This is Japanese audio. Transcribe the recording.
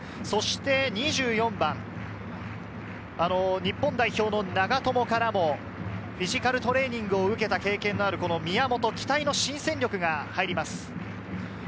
そして２４番、日本代表の長友からもフィジカルトレーニングを受けた経験のある宮本、期待の新戦力が入ります。